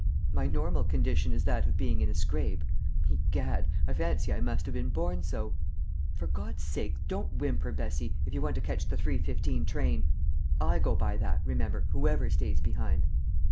"My normal condition is that of being in a scrape. Egad! I fancy I must have been born so. For God's sake don't whimper, Bessie, if you want to catch the three fifteen train! I go by that, remember, whoever stays behind.